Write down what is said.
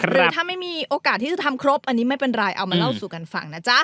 หรือถ้าไม่มีโอกาสที่จะทำครบอันนี้ไม่เป็นไรเอามาเล่าสู่กันฟังนะจ๊ะ